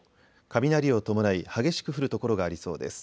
雷を伴い激しく降る所がありそうです。